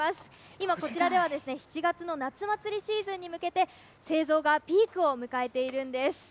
今、こちらでは７月の夏祭りシーズンに向けて、製造がピークを迎えているんです。